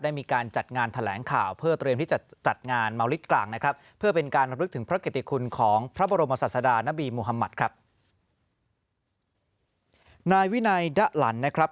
ได้มีการจัดงานแถลงข่าวเพื่อเตรียมที่จะจัดงานเมาส์ธรรมดิกากนะครับ